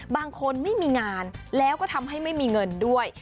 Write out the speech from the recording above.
ไม่มีงานแล้วก็ทำให้ไม่มีเงินด้วย